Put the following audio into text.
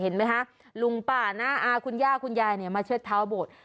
เห็นไหมคะลุงป้าน้าอาคุณย่าคุณยายเนี่ยมาเชิดเท้าโบสถ